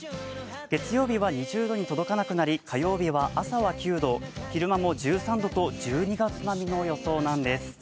月曜日は２０度に届かなくなり火曜日は朝は９度、昼間も１３度と１２月並みの予想なんです。